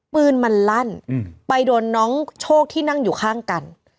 ปืนมันลั่นไปโดนน้องโชคที่นั่งอยู่ข้างกัน